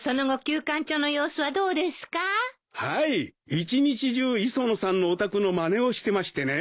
はい一日中磯野さんのお宅のまねをしてましてね